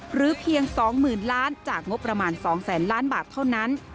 เพียง๒๐๐๐ล้านจากงบประมาณ๒แสนล้านบาทเท่านั้น